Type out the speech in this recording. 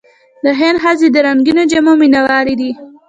د هند ښځې د رنګینو جامو مینهوالې دي.